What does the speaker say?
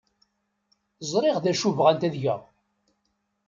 Ẓriɣ d acu bɣant ad geɣ.